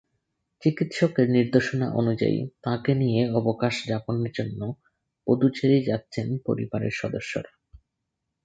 চিকিৎসকের নির্দেশনা অনুযায়ী তাঁকে নিয়ে অবকাশ যাপনের জন্য পদুচেরি যাচ্ছেন পরিবারের সদস্যরা।